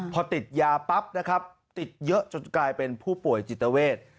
พอติดยาปั๊บนะครับติดเยอะจนกลายเป็นผู้ป่วยจิตเวท